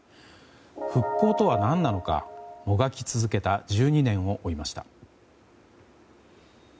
復興とは何なのかもがき続けた１２年を追いました。